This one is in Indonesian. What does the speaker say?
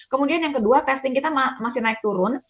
kemudian yang kedua testing kita masih naik turun